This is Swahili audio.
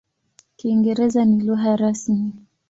Kiingereza ni lugha rasmi.